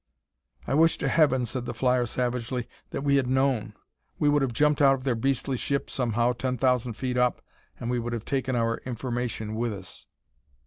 "I wish to heaven," said the flyer savagely, "that we had known; we would have jumped out of their beastly ship somehow ten thousand feet up, and we would have taken our information with us."